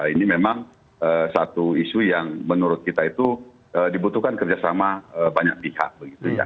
ini memang satu isu yang menurut kita itu dibutuhkan kerjasama banyak pihak begitu ya